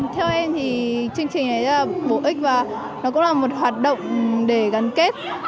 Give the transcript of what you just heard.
theo em thì chương trình ấy rất là bổ ích và nó cũng là một hoạt động để gắn kết